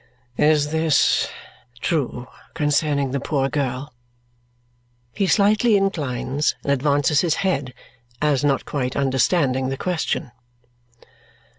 "Is this true concerning the poor girl?" He slightly inclines and advances his head as not quite understanding the question.